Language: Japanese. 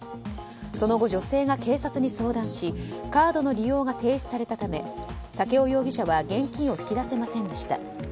その後、女性が警察に相談しカードの利用が停止されたため竹尾容疑者は現金を引き出せませんでした。